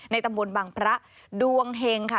ตำบลบังพระดวงเห็งค่ะ